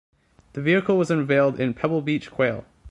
The vehicle was unveiled in Pebble Beach Quail.